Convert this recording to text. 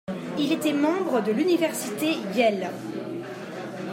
Il était membre de l'Université Yale.